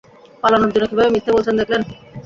পালানোর জন্য কীভাবে মিথ্যে বলছেন দেখলেন?